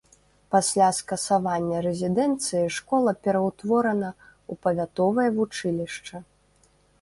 Пасля скасавання рэзідэнцыі школа пераўтворана ў павятовае вучылішча.